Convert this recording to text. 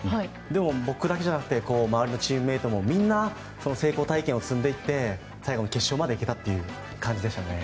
でも、僕だけじゃなくて周りのチームメートもみんな成功体験を積んでいって最後の決勝までいけたという感じでした。